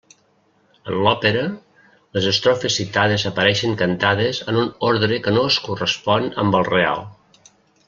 En l'òpera, les estrofes citades apareixen cantades en un ordre que no es correspon amb el real.